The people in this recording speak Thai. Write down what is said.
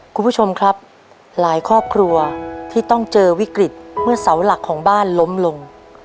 คุณผู้ชมครับหลายครอบครัวที่ต้องเจอวิกฤตเมื่อเสาหลักของบ้านล้มลง